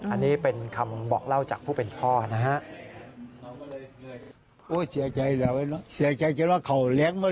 อันนี้เป็นคำบอกเล่าจากผู้เป็นพ่อนะฮะ